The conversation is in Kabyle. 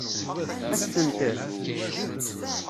Ad s-ten-tefk?